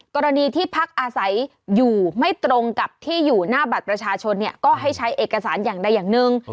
กรณีที่พักอาศัยอยู่ไม่ตรงกับที่อยู่หน้าบัตรประชาชนเนี่ยก็ให้ใช้เอกสารอย่างใดอย่างหนึ่ง